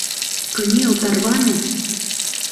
Кынел, тарване!